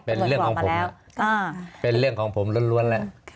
เป็นเรื่องของผมเป็นเรื่องของผมล้วนแล้ว